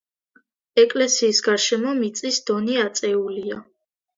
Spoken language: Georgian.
ეკლესიის გარშემო მიწის დონე აწეულია.